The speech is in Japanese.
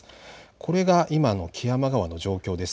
これが今の木山川の状況です。